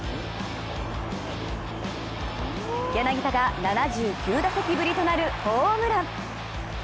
柳田が７９打席ぶりとなるホームラン。